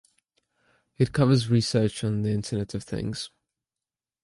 It covers research on the Internet of things.